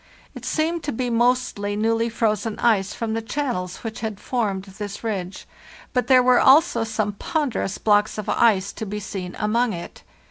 It seemed to be mostly newly frozen ice from the chan nels which had formed this ridge; but there were also some ponderous blocks of ice to be seen among it.